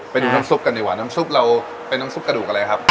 ไปดูน้ำซุปกันดีกว่าน้ำซุปเราเป็นน้ำซุปกระดูกอะไรครับ